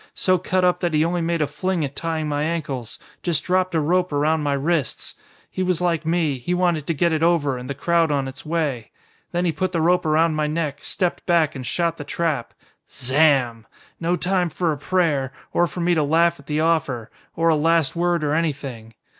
So cut up that he only made a fling at tying my ankles, just dropped a rope around my wrists. He was like me, he wanted to get it over, and the crowd on its way. Then he put the rope around my neck, stepped back and shot the trap. Zamm! No time for a prayer or for me to laugh at the offer! or a last word or anything.